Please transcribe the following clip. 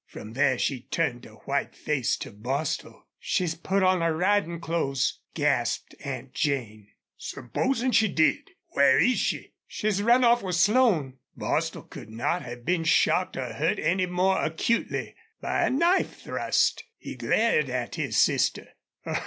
From there she turned a white face to Bostil. "She put on her riding clothes!" gasped Aunt Jane. "Supposin' she did! Where is she?" demanded Bostil. "SHE'S RUN OFF WITH SLONE!" Bostil could not have been shocked or hurt any more acutely by a knife thrust. He glared at his sister.